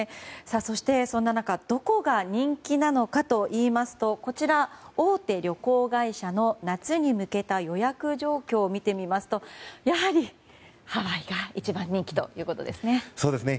そして、そんな中どこが人気なのかといいますとこちら、大手旅行会社の夏に向けた予約状況を見てみますと、やはりハワイが一番人気ということですね。